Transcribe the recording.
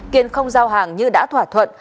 kiên không giao hàng như đã thỏa thuận